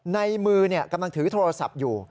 ในมือกำลังถือโทรศัพท์อยู่